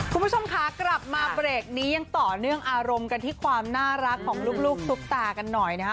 คุณผู้ชมค่ะกลับมาเบรกนี้ยังต่อเนื่องอารมณ์กันที่ความน่ารักของลูกซุปตากันหน่อยนะฮะ